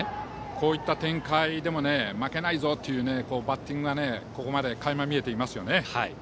こういった展開でも負けないぞというバッティングが垣間見えていますね。